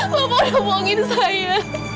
bapak udah bohongin saya